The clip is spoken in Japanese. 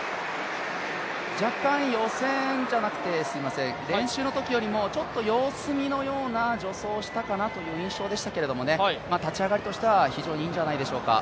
若干、練習のときよりもちょっと様子見のような助走をしたかなという印象でしたけども立ち上がりとしては、非常にいいんじゃないでしょうか。